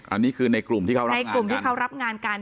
อันนี้คือในกลุ่มที่เขารับงานกัน